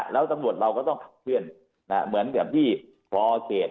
แล้วตำรวจเราก็ต้องขับเคลื่อนเหมือนกับที่พอเสร็จ